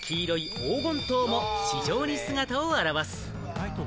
黄金桃も市場に姿を現す。